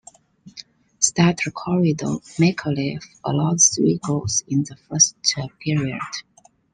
Starter Corrado Micalef allowed three goals in the first period.